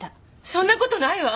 そんな事ないわ！